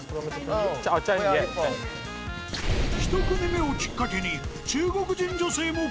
［１組目をきっかけに］